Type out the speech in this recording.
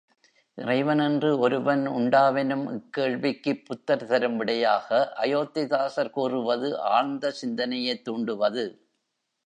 இறைவன் என்று ஒருவன் உண்டா வெனும் இக்கேள்விக்குப் புத்தர் தரும் விடையாக அயோத்திதாசர் கூறுவது ஆழ்ந்த சிந்தனையைத் தூண்டுவது.